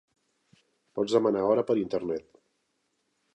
Pots demanar hora per Internet.